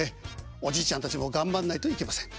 おじいちゃんたちも頑張んないといけません。